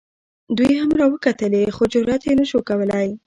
دوی هم را وکتلې خو جرات یې نه شو کولی.